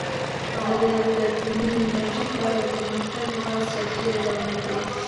ازادي راډیو د اټومي انرژي په اړه د پرمختګ لپاره د ستراتیژۍ ارزونه کړې.